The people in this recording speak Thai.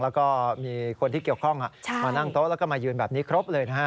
แล้วก็มีคนที่เกี่ยวข้องมานั่งโต๊ะแล้วก็มายืนแบบนี้ครบเลยนะฮะ